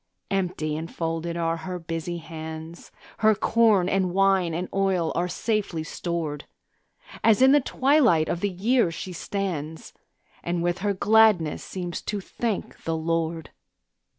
Empty and folded are her busy hands; Her corn and wine and oil are safely stored, As in the twilight of the year she stands, And with her gladness seems to thank the Lord.